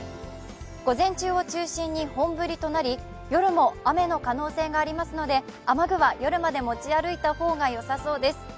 午前中を中心に本降りとなり夜も雨の可能性がありますので雨具は夜まで持ち歩いた方がよさそうです。